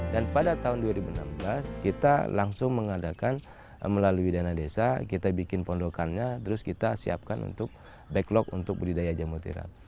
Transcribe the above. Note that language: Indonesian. dan pada tahun dua ribu enam belas kita langsung mengadakan melalui dana desa kita bikin pondokannya terus kita siapkan untuk backlog untuk budidaya jamur tiram